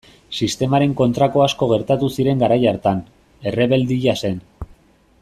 Sistemaren kontrako asko gertatu ziren garai hartan, errebeldia zen.